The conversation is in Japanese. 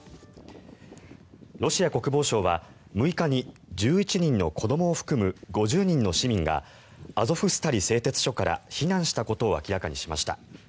ロシア国防省は、６日に１１人の子どもを含む５０人の市民がアゾフスタリ製鉄所から避難したことを明らかにしました。